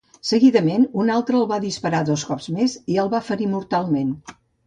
Seguidament un altre el va disparar dos cops més i el va ferir mortalment.